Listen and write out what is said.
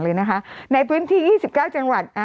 กรมป้องกันแล้วก็บรรเทาสาธารณภัยนะคะ